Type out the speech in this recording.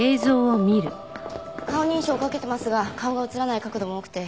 顔認証をかけてますが顔が映らない角度も多くて。